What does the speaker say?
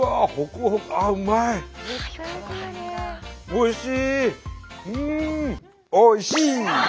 おいしい！